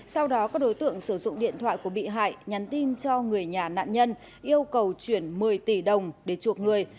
sau đó các đối tượng sử dụng điện thoại của bị hại nhắn tin cho người nhà nạn nhân yêu cầu chuyển một mươi tỷ đồng để chuộc người